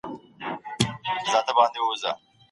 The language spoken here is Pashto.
ايا غير دولتي سازمانونه سياسي رول لوبوي؟